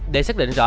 để xác định rõ